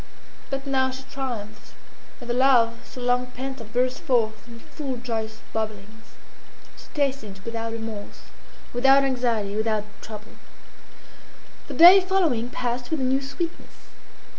But now she triumphed, and the love so long pent up burst forth in full joyous bubblings. She tasted it without remorse, without anxiety, without trouble. The day following passed with a new sweetness.